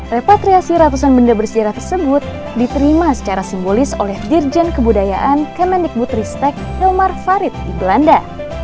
repatriasi ratusan benda bersihara tersebut diterima secara simbolis oleh dirjen kebudayaan kemendikbutristek delmar farid di belanda